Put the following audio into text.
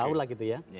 tau lah gitu ya